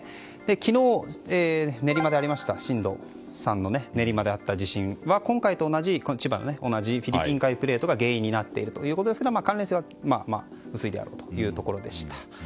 昨日、練馬でありました震度３の地震は今回と同じ千葉のフィリピン海プレートが原因となっているということですが、関連性は薄いであろうというところでした。